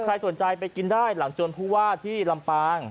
ใครสนใจไปกินได้หลังจวนผู้ว่าที่ลำปาง